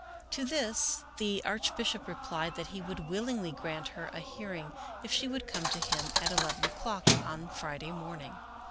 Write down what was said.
To this the Archbishop replied that he would willingly grant her a hearing if she would come to him at eleven o'clock on Friday morning.